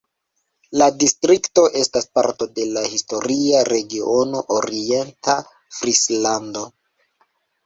La distrikto estas parto de la historia regiono Orienta Frislando.